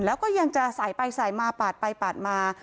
แล้วก็ยังจะสายไปสายมาปาดไปปาดมา